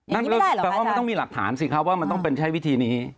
นั่นแปลว่ามันต้องมีหลักฐานสิครับว่ามันต้องเป็นใช้วิธีนี้